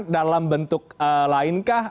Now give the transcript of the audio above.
dalam bentuk lain kah